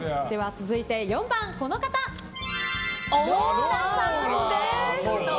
続いて４番、ローラさんです。